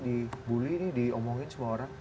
dibully diomongin semua orang